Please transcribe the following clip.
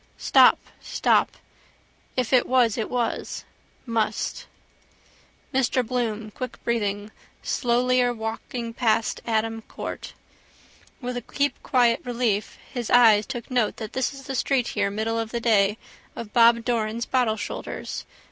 Stop. Stop. If it was it was. Must. Mr Bloom, quickbreathing, slowlier walking passed Adam court. With a keep quiet relief his eyes took note this is the street here middle of the day of Bob Doran's bottle shoulders.